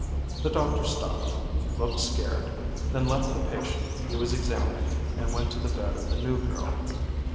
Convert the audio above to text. The doctor stopped, looked scared, then left the patient he was examining and went to the bed of the new girl.